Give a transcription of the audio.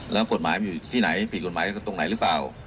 แล้วกฎหมายมันอยู่ที่ไหนผิดกฎหมายตรงไหนหรือเปล่า